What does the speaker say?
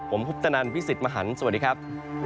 ผมพุทธนันทร์วิสิทธิ์มหันทร์สวัสดีครับ